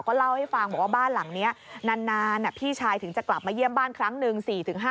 เล่าให้ฟังบอกว่าบ้านหลังนี้นานพี่ชายถึงจะกลับมาเยี่ยมบ้านครั้งหนึ่ง๔๕